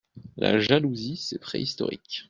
La jalousie, c'est préhistorique.